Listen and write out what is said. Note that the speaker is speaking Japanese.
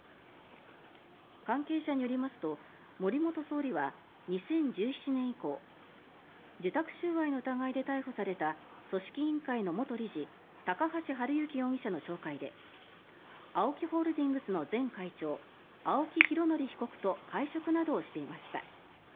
関係者によりますと森元総理は２０１７年以降受託収賄の疑いで逮捕された組織委員会の元理事高橋治之容疑者の紹介でＡＯＫＩホールディングスの前会長、青木拡憲被告と会食などをしていました。